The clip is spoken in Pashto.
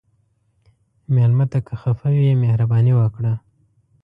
مېلمه ته که خفه وي، مهرباني وکړه.